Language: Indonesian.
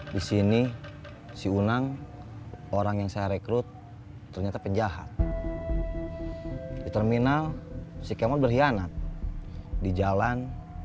disini si unang orang yang saya rekrut ternyata penjahat di terminal si kemo berhianat di jalan